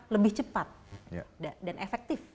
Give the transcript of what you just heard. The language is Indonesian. lebih cepat dan efektif